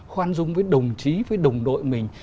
khoan dung với đồng chí với đồng đội mình